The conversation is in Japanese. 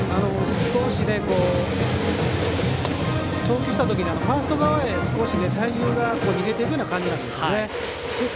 少し投球したときにファースト側へ少し体重が逃げていくような感じなんですね。